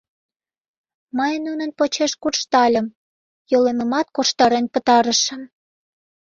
Мый нунын почеш куржтальым, йолемымат корштарен пытарышым...